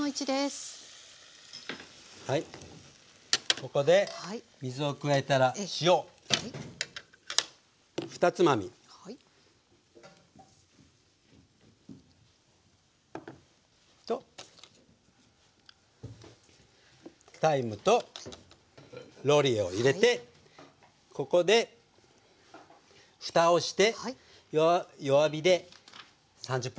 ここで水を加えたら塩２つまみ。とタイムとローリエを入れてここでふたをして弱火で３０分くらい煮詰めます。